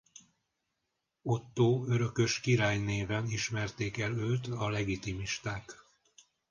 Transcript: Ottó örökös király néven ismerték el őt a legitimisták.